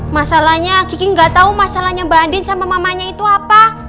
masalahnya kiki gak tau masalahnya mbak andien sama mamanya itu apa